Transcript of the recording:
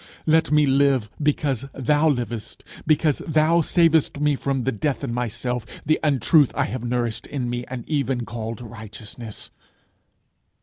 Let me live because thou livest, because thou savest me from the death in myself, the untruth I have nourished in me, and even called righteousness!